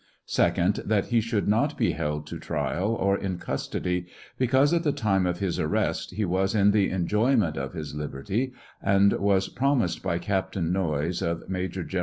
2d. That he should not be held to trial, or in custody, because, at the time of his arrest he was in the enjoyment of his liberty, and was promised by Captain Noyes, of Major Gen TRIAL OF HENRY WIRZ.